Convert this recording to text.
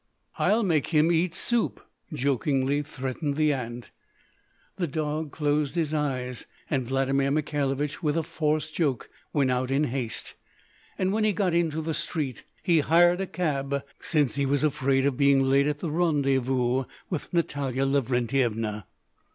"I'll make him eat soup!" jokingly threatened the Aunt. The dog closed his eyes, and Vladimir Mikhailovich with a forced joke went out in haste; and when he got into the street he hired a cab, since he was afraid of being late at the rendez vous with Natalya Lavrentyevna.